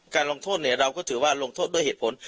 การลงโทษเราก็ถือว่าลงโทษด้วยเหตุผล